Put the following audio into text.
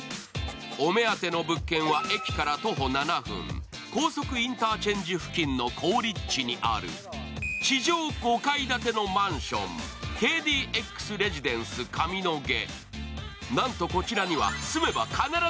お目当ての物件は駅から徒歩７分、高速インターチェンジ付近の好立地にある地上５階建てのマンションＫＤＸレジデンス上野毛。